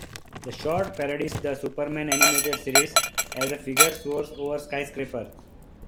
The short parodies the Superman animated series as a figure soars over a skyscraper.